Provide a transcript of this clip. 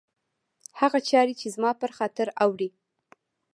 هغه چاري چي زما پر خاطر اوري